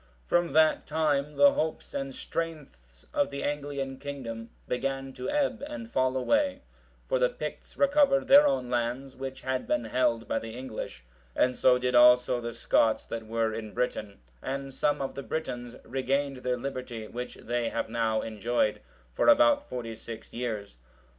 From that time the hopes and strength of the Anglian kingdom "began to ebb and fall away;"(726) for the Picts recovered their own lands, which had been held by the English, and so did also the Scots that were in Britain; and some of the Britons(727) regained their liberty, which they have now enjoyed for about forty six years.